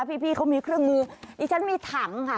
พี่เขามีเครื่องงูดิฉันมีถังค่ะ